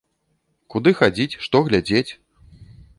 Куды хадзіць, што глядзець?